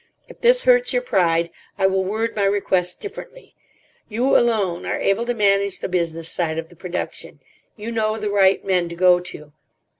If this hurts your pride, I will word my request differently. You alone are able to manage the business side of the production. You know the right men to go to.